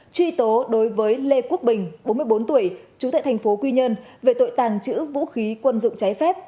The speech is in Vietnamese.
truy tố đối với lê quốc bình bốn mươi bốn tuổi trú tại thành phố quy nhơn về tội tàng trữ vũ khí quân dụng trái phép